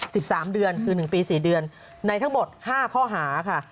สามเดือนคือหนึ่งปีสี่เดือนในทั้งหมดห้าข้อหาค่ะ